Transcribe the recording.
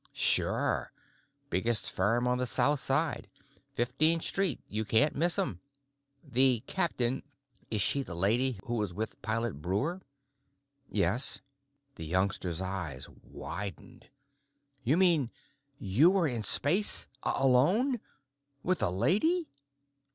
"Sure. Biggest firm on the south side. Fifteen Street; you can't miss them. The captain—is she the lady who was with Pilot Breuer?" "Yes." The youngster's eyes widened. "You mean you were in space—alone—with a lady?"